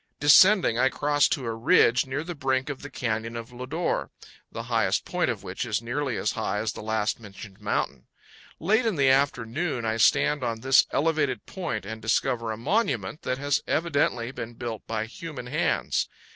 Descending, I cross to a ridge near the brink of the Canyon of Lodore, the highest point of which is nearly as high as the last mentioned mountain. Late in the afternoon I stand on this elevated 172 CANYONS OF THE COLORADO. point and discover a monument that has evidently been built by human hands.